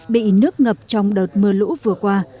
bị nước ngập trong đợt mưa lũ vừa qua